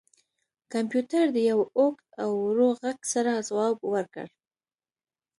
کمپیوټر د یو اوږد او ورو غږ سره ځواب ورکړ